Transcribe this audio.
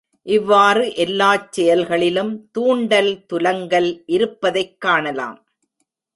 இவ்வாறு எல்லாச் செயல்களிலும் துாண்டல் துலங்கல் இருப்ப தைக் காணலாம்.